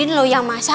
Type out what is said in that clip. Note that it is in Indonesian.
isterinya jago masak